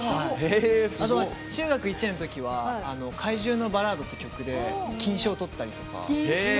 中学１年の時は「怪獣のバラード」って曲で金賞をとったりとか。